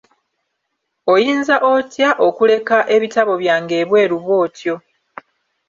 Oyinza otya okuleka ebitabo byange ebweeru bwotyo?